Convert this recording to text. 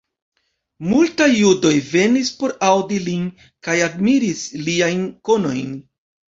Multaj judoj venis por aŭdi lin kaj admiris liajn konojn.